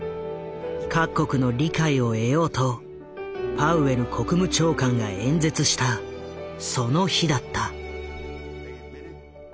各国の理解を得ようとパウエル国務長官が演説したその日だった。